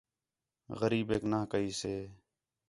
غریبیک نا کھی سے